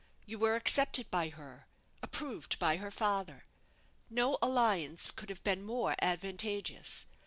You were accepted by her approved by her father. No alliance could have been more advantageous.